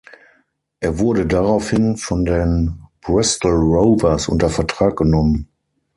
Er wurde daraufhin von den Bristol Rovers unter Vertrag genommen.